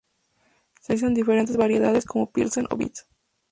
Se comercializan diferentes variedades, como Pilsen o "beats".